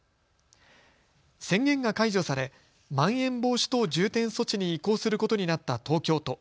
宣言が解除されまん延防止等重点措置に移行することになった東京都。